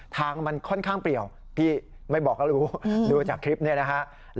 ทางมันค่อนข้างเปลี่ยวพี่ไม่บอกก็รู้ดูจากคลิปนี้นะฮะ